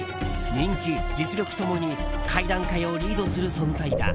人気、実力共に怪談界をリードする存在だ。